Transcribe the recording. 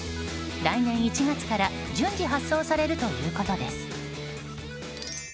来年１月から順次発送されるということです。